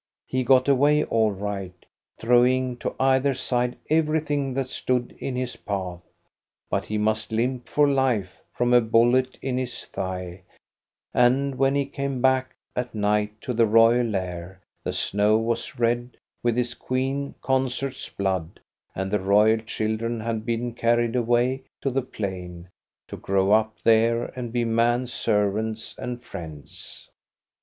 He got away all right, throwing to either side everything that stood in his path ; but he must limp for life from a bullet in his thigh, and when he came back at night to the royal lair, the snow was red with his queen consort's blood, and the royal children had been carried away to the plain, to grow up there and be man's servants and friends.